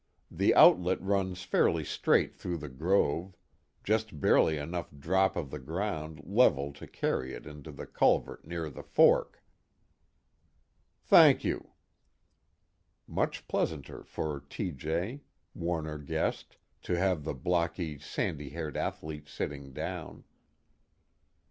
The outlet runs fairly straight through the grove just barely enough drop of the ground level to carry it into the culvert near the fork." "Thank you." Much pleasanter for T.J., Warner guessed, to have the blocky sandy haired athlete sitting down.